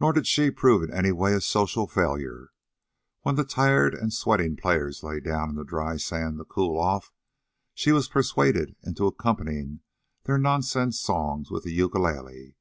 Nor did she prove in any way a social failure. When the tired and sweating players lay down in the dry sand to cool off, she was persuaded into accompanying their nonsense songs with the ukulele.